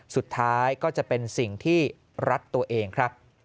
สุดท้ายก็จะเป็นสิ่งที่รัดตัวเองครับ